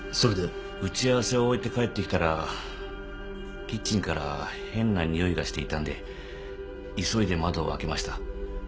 打ち合わせを終えて帰ってきたらキッチンから変なにおいがしていたんで急いで窓を開けました。